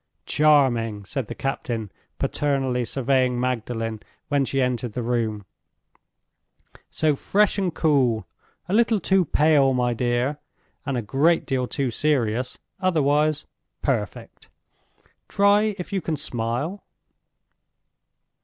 "Charming!" said the captain, paternally surveying Magdalen when she entered the room. "So fresh and cool! A little too pale, my dear, and a great deal too serious. Otherwise perfect. Try if you can smile."